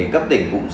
cấp tỉnh cũng